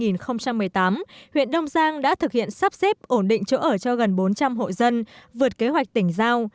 năm hai nghìn một mươi tám huyện đông giang đã thực hiện sắp xếp ổn định chỗ ở cho gần bốn trăm linh hộ dân vượt kế hoạch tỉnh giao